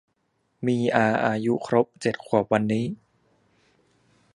มีอาอายุครบเจ็ดขวบวันนี้